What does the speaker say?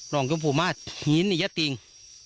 น้องกำผู้มาหินนี่ยะติง